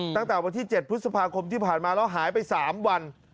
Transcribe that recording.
ตั้งแต่วันที่๗พฤษภาคมที่ผ่านมาแล้วหายไป๓วัน